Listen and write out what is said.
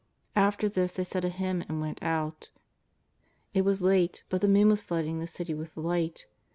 After this they said a hymn and went out. It was late, but the moon was flooding the City with light.